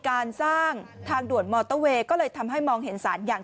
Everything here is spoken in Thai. การสร้างทางด่วนมอเตอร์เวย์ก็เลยทำให้มองเห็นสารอย่าง